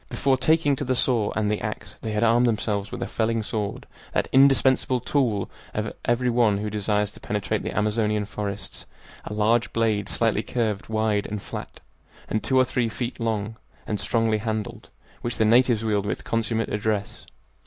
Before taking to the saw and the ax they had armed themselves with a felling sword, that indispensable tool of every one who desires to penetrate the Amazonian forests, a large blade slightly curved, wide and flat, and two or three feet long, and strongly handled, which the natives wield with consummate address.